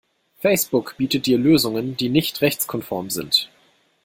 Facebook bietet dir Lösungen die nicht rechtskonform sind.